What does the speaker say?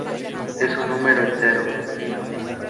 Es un número entero.